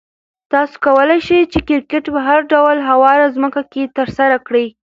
تاسو کولای شئ چې کرکټ په هر ډول هواره ځمکه کې ترسره کړئ.